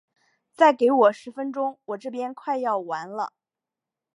再给我十分钟，我这边快要完了。